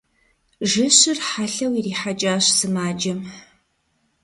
Жэщыр хьэлъэу ирихьэкӀащ сымаджэм.